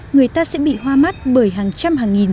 người ta sẽ bị hoa mắt bởi hàng trăm hàng nghìn